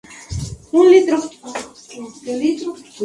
Abundante en las islas Baleares.